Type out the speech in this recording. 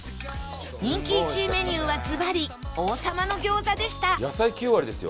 人気１位メニューはずばり王さまの餃子でした